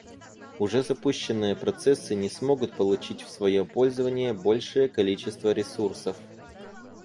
Уже запущенные процессы не смогут получить в свое пользование большее количество ресурсов